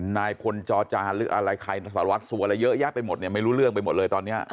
นายพลจอจานหรืออะไรใครสารวัตรสัวอะไรเยอะแยะไปหมดเนี่ยไม่รู้เรื่องไปหมดเลยตอนนี้